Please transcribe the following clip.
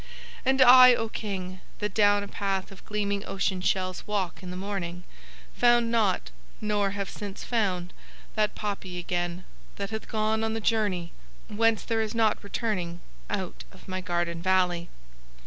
And I, O King, that down a path of gleaming ocean shells walk in the morning, found not, nor have since found, that poppy again, that hath gone on the journey whence there is not returning, out of my garden valley.